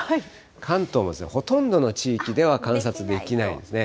関東のほとんどの地域では観察できないんですね。